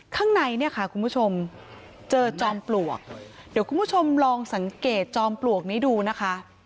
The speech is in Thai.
ข้างในเนี่ยค่ะคุณผู้ชมเจอจอมปลวกเดี๋ยวคุณผู้ชมลองสังเกตจอมปลวกนี้ดูนะคะ